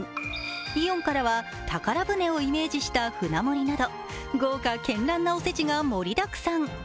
イオンからは宝船をイメージした舟盛りなど豪華絢爛なおせちが盛りだくさん。